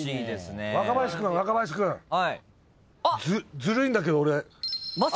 ずるいんだけど俺。